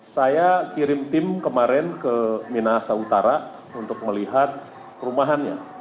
saya kirim tim kemarin ke minahasa utara untuk melihat perumahannya